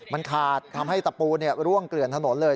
มันขาดทำให้ตะปูร่วงเกลื่อนถนนเลย